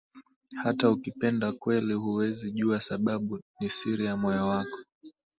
Hata ukipenda kweli, huwezi jua sababu, ni siri ya moyo wako.